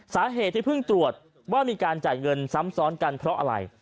สาเหตุที่เพิ่งตรวจว่ามีการจ่ายเงินซ้ำซ้อนกันเพราะอะไร